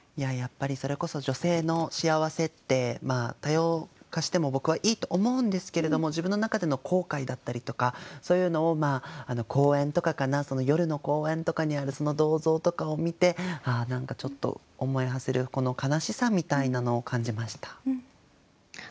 それこそ女性の幸せって多様化しても僕はいいと思うんですけれども自分の中での後悔だったりとかそういうのを公園とかかな夜の公園とかにあるその銅像とかを見て何かちょっと思い馳せる悲しさみたいなのを感じました。